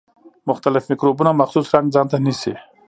مختلف مکروبونه مخصوص رنګ ځانته نیسي.